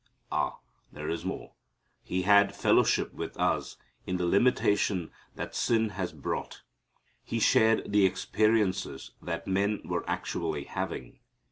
Ah! there is more. He had fellowship with us in the limitation that sin has brought. He shared the experiences that men were actually having.